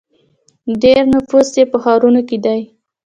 ډیری نفوس یې په ښارونو کې دی.